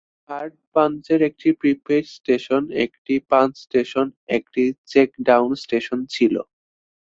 Card পাঞ্চের একটি prepaid station, একটি পাঞ্চ স্টেশন এবং একটি চেকডাউন স্টেশন ছিল।